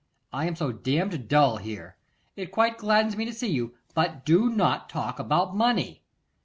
I am so damned dull here. It quite gladdens me to see you; but do not talk about money.